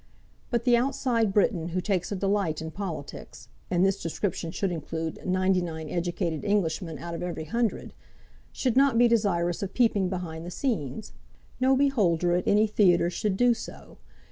But the outside Briton who takes a delight in politics, and this description should include ninety nine educated Englishmen out of every hundred, should not be desirous of peeping behind the scenes. No beholder at any theatre should do so.